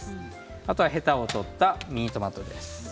あとはヘタを取ったミニトマトです。